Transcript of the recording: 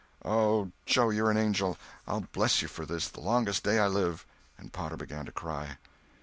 "Oh, Joe, you're an angel. I'll bless you for this the longest day I live." And Potter began to cry.